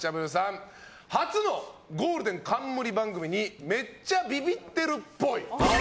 初のゴールデン冠番組にめっちゃビビってるっぽい。